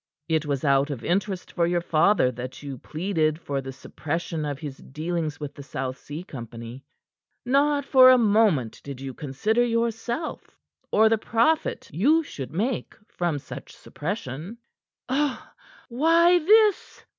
It was out of interest for your father that you pleaded for the suppression of his dealings with the South Sea Company; not for a moment did you consider yourself or the profit you should make from such suppression." "Why this?"